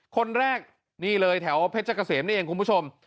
คนแรกนี่เลยแถวเพชรเกษมนี่เองคุณผู้ชม